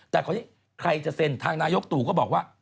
แต่ใครจะเซ็นทางนายกตู่ก็บอกว่า